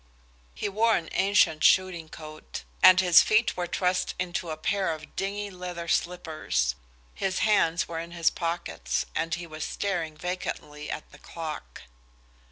He wore an ancient shooting coat, and his feet were trust into a pair of dingy leather slippers; his hands were in his pockets, and he was staring vacantly at the clock.